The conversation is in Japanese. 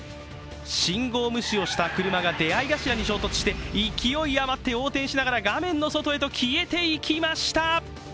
信号無視をした車が出会い頭に衝突して勢い余って横転しながら画面の外へと消えていきました。